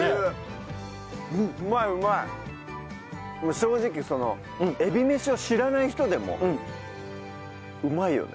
正直そのえびめしを知らない人でもうまいよね。